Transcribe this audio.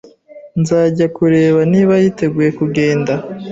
Nzajya kureba niba yiteguye kugenda.